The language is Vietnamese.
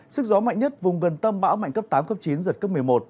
sức gió mạnh nhất vùng gần tâm bão mạnh cấp tám cấp chín giật cấp một mươi một